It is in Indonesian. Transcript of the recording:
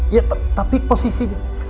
ya tapi posisinya